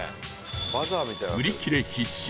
売り切れ必至